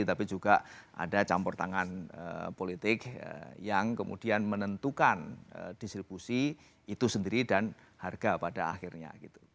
tapi juga ada campur tangan politik yang kemudian menentukan distribusi itu sendiri dan harga pada akhirnya